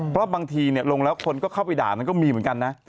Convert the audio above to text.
เพราะบางทีลงแล้วคนก็เข้าไปด่านั้นก็มีเหมือนกันนะ